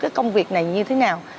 cái công việc này như thế nào